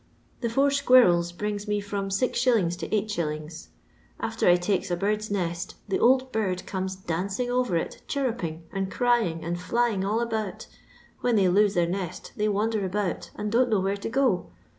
The four squirrels brings me from 6f. to St. After I takes a bird's nest, the old bird comes dancing over it, chirupping, and crying, and flying all about. When they lose their nest they wander about, and don't know where to go.